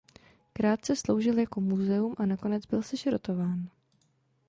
Krátce sloužil jako muzeum a nakonec byl sešrotován.